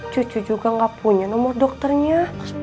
cucu juga gak punya nomor dokternya